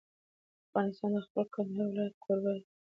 افغانستان د خپل کندهار ولایت کوربه دی.